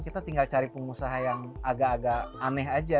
kita tinggal cari pengusaha yang agak agak aneh aja